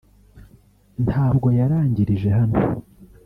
ntabwo yarangirije hano